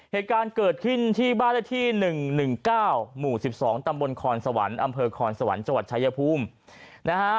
เหตุการณ์เกิดขึ้นที่บ้านเลขที่๑๑๙หมู่๑๒ตำบลคอนสวรรค์อำเภอคอนสวรรค์จังหวัดชายภูมินะฮะ